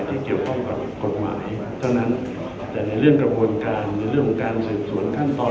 ที่เกี่ยวข้องกับกฎหมายเท่านั้นแต่ในเรื่องกระบวนการในเรื่องของการสืบสวนขั้นตอน